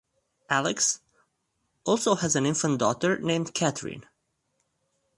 Alix also has an infant daughter named Catherine.